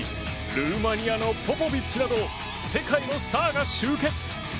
ルーマニアのポポビッチなど世界のスターが集結！